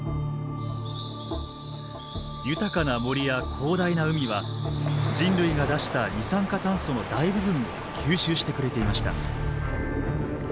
豊かな森や広大な海は人類が出した二酸化炭素の大部分を吸収してくれていました。